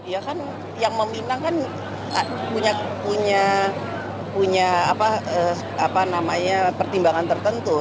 ya kan yang meminang kan punya pertimbangan tertentu